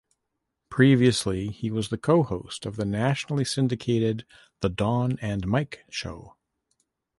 Previously he was the co-host of the nationally syndicated "The Don and Mike Show".